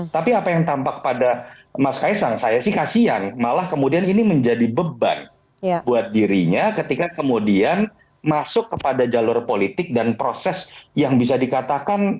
tapi apa yang tampak pada mas kaisang saya sih kasian malah kemudian ini menjadi beban buat dirinya ketika kemudian masuk kepada jalur politik dan proses yang bisa dikatakan